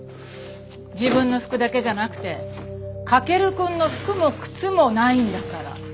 自分の服だけじゃなくて駆くんの服も靴もないんだから。